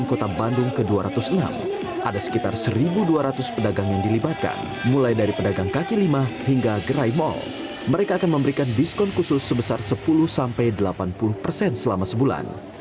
kota bandung akan memberikan diskaun khusus sebesar sepuluh sampai delapan puluh persen selama sebulan